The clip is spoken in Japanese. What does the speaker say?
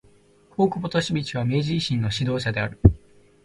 大久保利通は明治維新の指導者である。